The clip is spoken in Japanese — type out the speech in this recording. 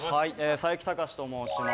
佐伯タカシと申します